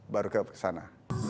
baru ke sana